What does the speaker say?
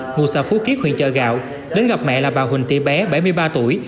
ngủ xa phú kiết huyện chợ gạo đến gặp mẹ là bà huỳnh tị bé bảy mươi ba tuổi